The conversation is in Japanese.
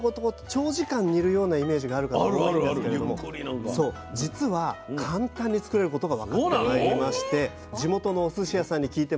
長時間煮るようなイメージがあるかと思うんですけれども実は簡単に作れることが分かってまいりまして地元のおすし屋さんに聞いてまいりました。